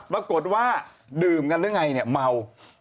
ปรากฏว่าดื่มกันหรือไงเนี่ยเมา